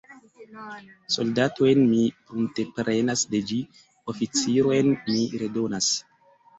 Soldatojn mi prunteprenas de ĝi, oficirojn mi redonas.